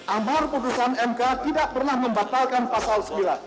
ambar keputusan mk tidak pernah membatalkan pasal sembilan